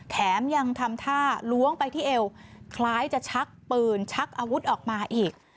แถมยังทำท่าล้วงไปที่เอวคล้ายจะชักปืนชักอาวุธออกมาอีก